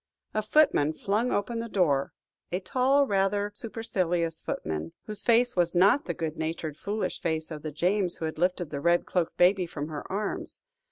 A footman flung open the door a tall, rather supercilious footman, whose face was not the good natured, foolish face of the James who had lifted the red cloaked baby from her arms.